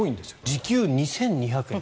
時給２２００円。